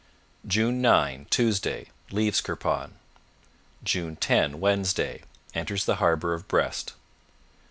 June 9 Tuesday Leaves Kirpon. " 10 Wednesday Enters the harbour of Brest.